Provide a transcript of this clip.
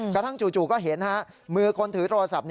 กระทั่งจู่ก็เห็นมือคนถือโทรศัพท์